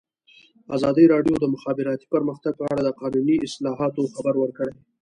ازادي راډیو د د مخابراتو پرمختګ په اړه د قانوني اصلاحاتو خبر ورکړی.